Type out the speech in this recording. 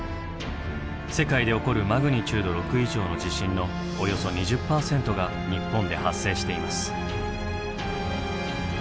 世界で起こるマグニチュード６以上の地震のおよそ２０％が日本で発生しています。